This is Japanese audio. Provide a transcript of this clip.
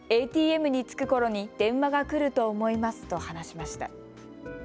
ＡＴＭに着くころに電話が来ると思いますと話しました。